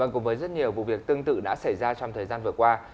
cùng với rất nhiều vụ việc tương tự đã xảy ra trong thời gian vừa qua